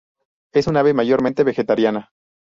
Es un ave mayormente vegetariana.